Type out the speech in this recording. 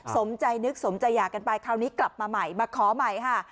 สมใจนึกสมใจหย่ากันไปคราวนี้กลับมาใหม่มาขอใหม่ค่ะ